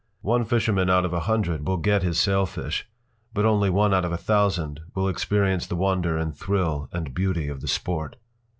One fisherman out of a hundred will get his sailfish, but only one out of a thousand will experience the wonder and thrill and beauty of the sport.